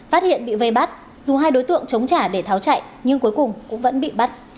phát hiện bị vây bắt dù hai đối tượng chống trả để tháo chạy nhưng cuối cùng cũng vẫn bị bắt